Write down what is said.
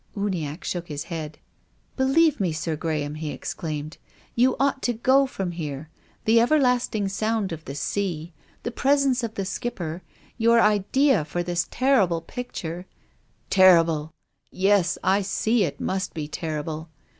Uniacke shook his head. " Believe me, Sir Graham," he exclaimed, " you ought to go from here. The everlasting sound of the sea — the presence of the Skipper — your idea for this terrible picture —"" Terrible ! Yes, I see it must be terrible.